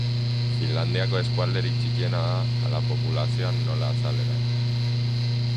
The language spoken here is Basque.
Finlandiako Eskualderik txikiena da, hala populazioan nola azaleran.